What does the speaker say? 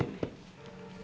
bapak bisa duduk sini